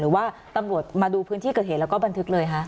หรือว่าตำรวจมาดูพื้นที่เกิดเหตุแล้วก็บันทึกเลยคะ